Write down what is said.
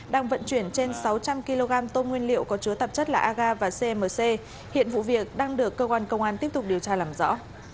đang vận chuyển trên sáu trăm linh kg tôm nguyên liệu có chứa tạp chất là aga và cmc hiện vụ việc đang được cơ quan công an tiếp tục điều tra làm rõ